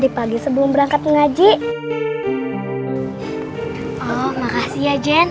deni sama jenifer pamit ya